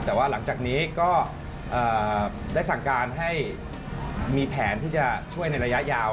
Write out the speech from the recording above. แต่ว่าหลังจากนี้ก็ได้สั่งการให้มีแผนที่จะช่วยในระยะยาว